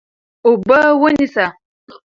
اوبه ونیسه.